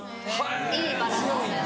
いいバラなんだよ。